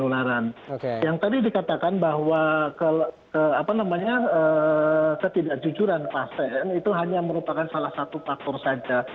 yang tadi dikatakan bahwa ketidakjujuran pasien itu hanya merupakan salah satu faktor saja